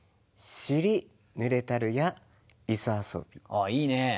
あっいいね。